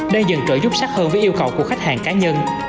đang dần trợ giúp sắc hơn với yêu cầu của khách hàng cá nhân